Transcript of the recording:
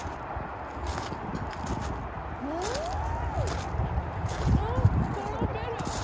うん！あっとろける！